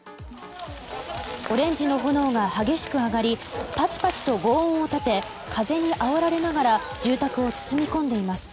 オレンジの炎が激しく上がりパチパチと轟音を立て風にあおられながら住宅を包んでいます。